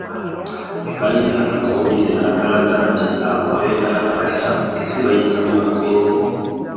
Balina amawulire agalaga nti abo abeekalakaasa si bayizi b'e Makerere